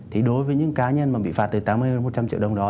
thì đối với những cá nhân mà bị phạt từ tám mươi đến một trăm linh triệu đồng đó